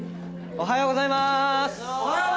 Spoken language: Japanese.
おはようございます。